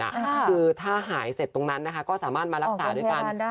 คือถ้าหายเสร็จตรงนั้นนะคะก็สามารถมารักษาด้วยกัน